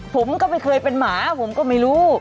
ผมก็ไม่เคยเป็นหมาผมก็ไม่รู้